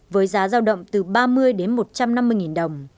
với giá giao động từ ba mươi đến một trăm linh năm